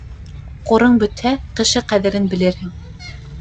Ҡурың бөтһә, кеше ҡәҙерен белерһең.